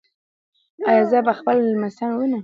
ایا زه به خپل لمسیان ووینم؟